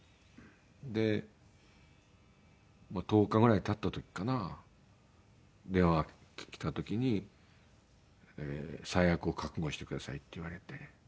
で１０日ぐらい経った時かな電話がきた時に「最悪を覚悟してください」って言われて。